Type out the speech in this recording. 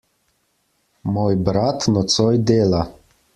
Moj brat nocoj dela.